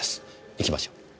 行きましょう。